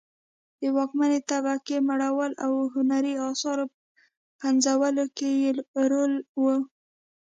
د واکمنې طبقې مړولو او هنري اثارو پنځولو کې یې رول و